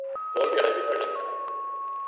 தோல்வி அடைவீர்கள் என்றார்.